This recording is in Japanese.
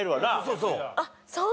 そうそう。